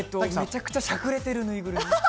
めちゃくちゃしゃくれてるぬいぐるみ。